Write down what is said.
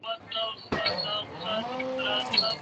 لنډه کاري اونۍ د رواني فشار کمولو کې مرسته کوي.